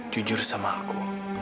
jujur sama aku